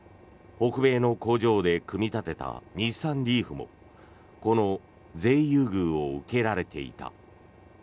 北米の工場で組み立てた日産リーフもこの税優遇を受けられていた。